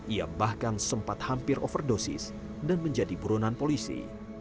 ia bahkan sempat hampir overdosis dan menjadi buronan polisi